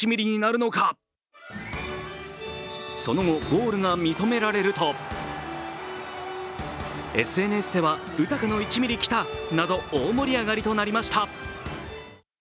その後、ゴールが認められるとＳＮＳでは大盛り上がりとなりました